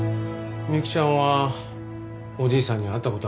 美幸ちゃんはおじいさんに会った事あるんだよね？